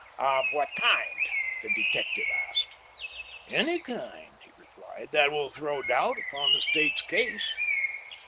"Of what kind?" the detective asked. "Any kind," he replied, "that will throw doubt upon the State's case."